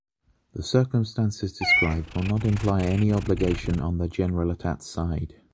The circumstances described will not imply any obligation on the Generalitat's side.